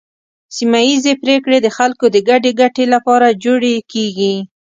سیمه ایزې پریکړې د خلکو د ګډې ګټې لپاره جوړې کیږي.